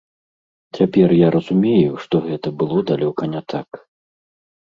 Цяпер я разумею, што гэта было далёка не так.